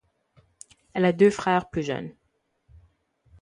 Elle a deux frères plus jeunes.